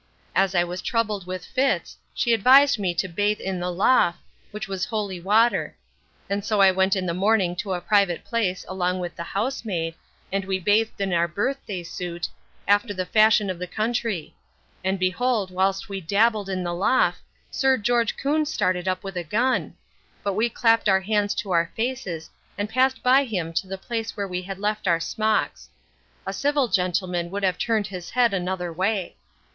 As I was troubled with fits, she advised me to bathe in the loff, which was holy water; and so I went in the morning to a private place along with the house maid, and we bathed in our birth day soot, after the fashion of the country; and behold whilst we dabbled in the loff, sir George Coon started up with a gun; but we clapt our hands to our faces, and passed by him to the place where we had left our smocks A civil gentleman would have turned his head another way.